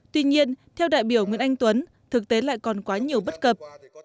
tuy nhiên theo đại biểu nguyễn anh tuấn thực tế lại còn quá nhiều bất cập